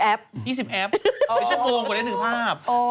๒๐แอปเป็นชั่วโมงกว่าได้หนึ่งภาพ